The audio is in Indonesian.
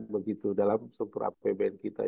begitu dalam sempurna pbn kita